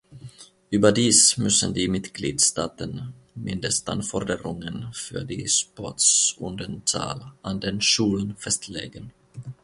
Überdies müssen die Mitgliedstaaten Mindestanforderungen für die Sportstundenzahl an den Schulen festlegen.